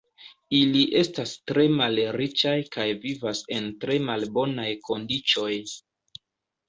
Ili estas tre malriĉaj kaj vivas en tre malbonaj kondiĉoj.